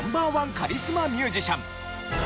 カリスマミュージシャン。